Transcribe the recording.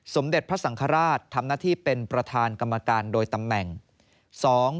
สมเด็จพระสังฆราชทำหน้าที่เป็นประธานกรรมการโดยตำแหน่ง